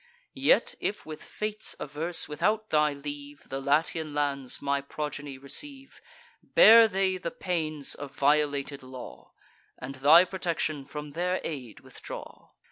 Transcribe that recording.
Yet, if with fates averse, without thy leave, The Latian lands my progeny receive, Bear they the pains of violated law, And thy protection from their aid withdraw.